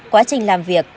quá trình làm việc